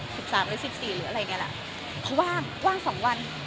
เขาว่าง๒วัน